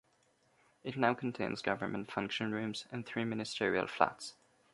It now contains government function rooms and three ministerial flats.